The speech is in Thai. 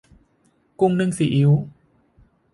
กุ้งนึ่งซีอิ๊ว